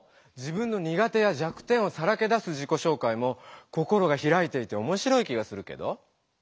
自分のにが手や弱点をさらけ出す自己紹介も心がひらいていておもしろい気がするけど？